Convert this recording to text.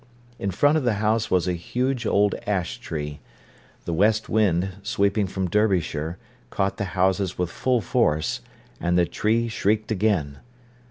In front of the house was a huge old ash tree. The west wind, sweeping from Derbyshire, caught the houses with full force, and the tree shrieked again.